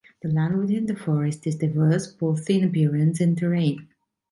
The land within the forest is diverse, both in appearance and terrain.